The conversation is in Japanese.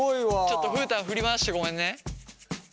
ちょっとフータン振り回してごめんね。